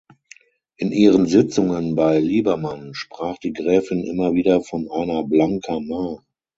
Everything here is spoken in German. In ihren Sitzungen bei Liebermann sprach die Gräfin immer wieder von einer Blanka Mar.